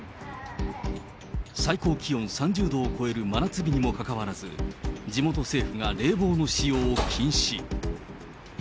最高気温３０度を超える真夏日にもかかわらず、地元政府が冷房の使用を禁止。